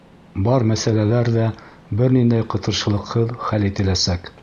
Барлыҡ мәсьәләләр ҙә бер ниндәй ҡытыршылыҡһыҙ хәл ителәсәк.